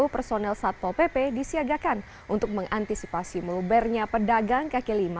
tiga ratus lima puluh personel satpol pp disiagakan untuk mengantisipasi melubernya pedagang kk lima